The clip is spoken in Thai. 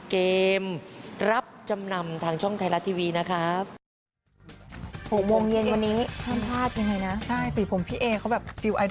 เกมรับจำนำทางช่องไทยรัฐทีวีนะครับ